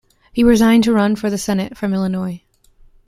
He resigned to run for the Senate from Illinois.